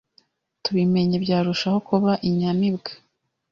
tubimenye byarushaho kuba Inyamibwa